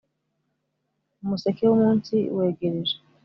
umuseke wumunsi wegereje -